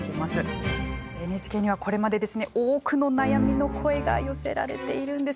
ＮＨＫにはこれまで多くの悩みの声が寄せられているんです。